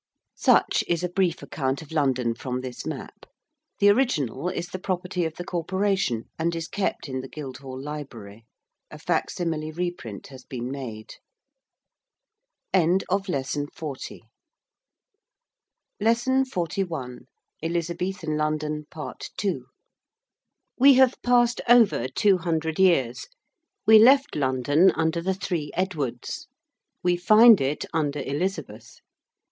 Such is a brief account of London from this map. The original is the property of the Corporation and is kept in the Guildhall Library. A facsimile reprint has been made. 41. ELIZABETHAN LONDON. PART II. We have passed over two hundred years. We left London under the Three Edwards. We find it under Elizabeth.